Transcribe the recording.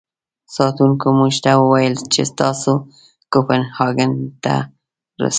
ساتونکو موږ ته و ویل چې تاسو کوپنهاګن ته رسوو.